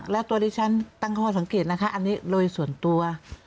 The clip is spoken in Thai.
แล้วตัวที่ฉันตั้งข้อสังเกตนะคะอันนี้โดยส่วนตัว